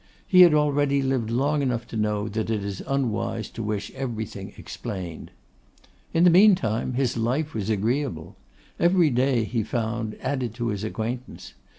He had already lived long enough to know that it is unwise to wish everything explained. In the meantime his life was agreeable. Every day, he found, added to his acquaintance.